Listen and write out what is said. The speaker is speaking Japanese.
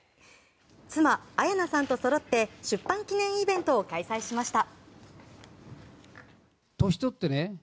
妻・綾菜さんとそろって出版記念イベントを開催しました。